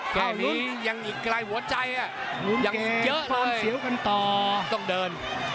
แค่นี้ยังอีกไกลหัวใจอ่ะยังเยอะเลยต้องเดิน